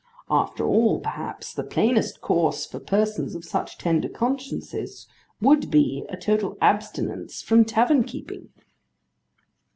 After all, perhaps, the plainest course for persons of such tender consciences, would be, a total abstinence from tavern keeping.